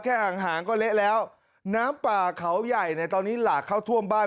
ห่างห่างก็เละแล้วน้ำป่าเขาใหญ่ในตอนนี้หลากเข้าท่วมบ้าน